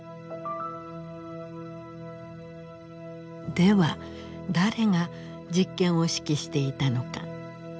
では誰が実験を指揮していたのか。